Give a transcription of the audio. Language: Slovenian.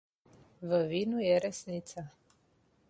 V vinu je resnica.